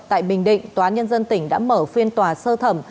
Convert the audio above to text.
tại bình định tòa nhân dân tỉnh đã mở phiên tòa sơ thẩm